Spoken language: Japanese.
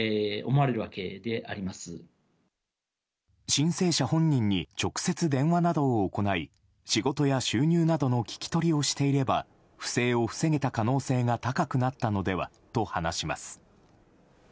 申請者本人に直接電話などを行い仕事や収入などの聞き取りをしていれば不正を防げた可能性が高くなったのではと話します。